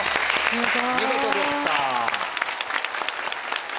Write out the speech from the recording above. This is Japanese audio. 見事でした。